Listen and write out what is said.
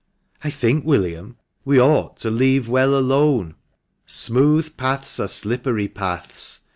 " I think, William, we ought to ' leave well alone ;' smooth paths are slippery paths.